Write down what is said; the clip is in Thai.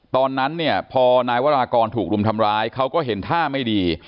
ตอนนั้นเนี่ยพอนายวรากรถูกรุมทำร้ายเขาก็เห็นท่าไม่ดี